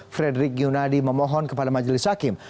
frederick yunadi memohon kepada majelis hakim